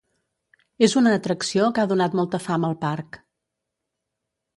És una atracció que ha donat molta fama al parc.